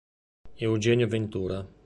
Eugenio Ventura